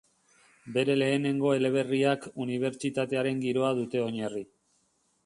Bere lehenengo eleberriak unibertsitatearen giroa dute oinarri.